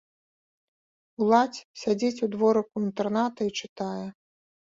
Уладзь сядзіць у дворыку інтэрната і чытае.